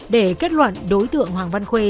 để kết luận đối tượng hoàng văn khuê